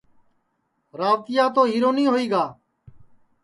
روتیا تو ہیرونی ہوئی گا